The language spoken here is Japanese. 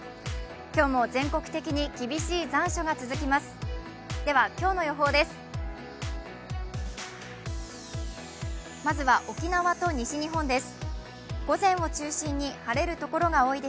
今日も厳しい残暑が続きます。